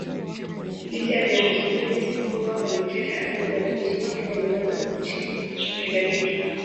Licha ya viongozi wengi kuwa madikteta ajabu wananchi wake waliweza kutii kwa kila kitu